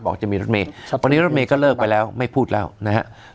จะมีรถเมย์วันนี้รถเมย์ก็เลิกไปแล้วไม่พูดแล้วนะครับ